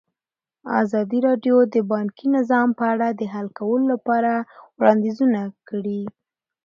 ازادي راډیو د بانکي نظام په اړه د حل کولو لپاره وړاندیزونه کړي.